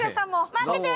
待ってて。